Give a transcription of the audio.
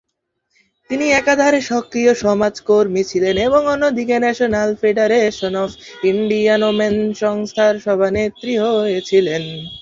তিনি একাধারে সক্রিয় সমাজকর্মী ছিলেন এবং অন্যদিকে 'National Federation of Indian Women' সংস্থার সভানেত্রী হয়েছিলেন।